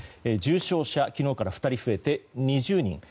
重症者昨日から２人増えて２０人。